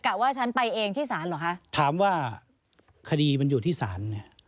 ว่าฉันไปเองที่ศาลเหรอคะถามว่าคดีมันอยู่ที่ศาลเนี่ย